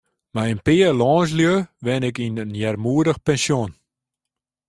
Mei in pear lânslju wenne ik yn in earmoedich pensjon.